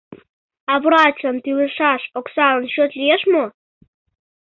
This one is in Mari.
А врачлан тӱлышаш оксалан счёт лиеш мо?